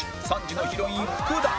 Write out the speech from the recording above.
３時のヒロイン福田